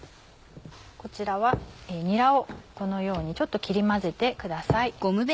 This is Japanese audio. こちらはにらをこのようにちょっと切り混ぜてください。